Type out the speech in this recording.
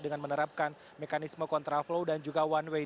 dengan menerapkan mekanisme kontra flow dan juga one way